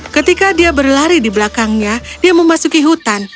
ketika dia berlari di belakangnya dia memasuki hutan